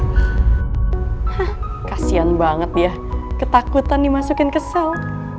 hah kasihan banget ya ketakutan dimasukin ke sel